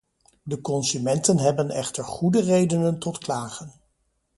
De consumenten hebben echter goede redenen tot klagen.